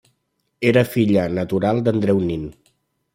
Era filla natural d'Andreu Nin.